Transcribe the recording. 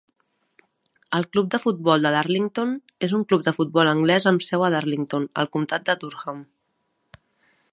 El club de futbol de Darlington és un club de futbol anglès amb seu a Darlington, al comtat de Durham.